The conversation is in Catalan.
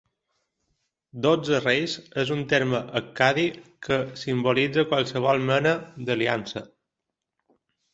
"Dotze reis" és un terme accadi que simbolitza qualsevol mena d'aliança.